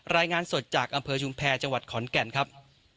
รายงานสดจากอำเภอชุมแพรจังหวัดขอนแก่นครับ